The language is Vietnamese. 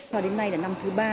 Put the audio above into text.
sau đến nay là năm thứ ba